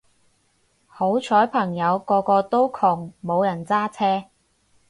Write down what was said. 好彩朋友個個都窮冇人揸車